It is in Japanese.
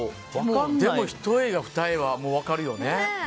一重が二重は分かるよね。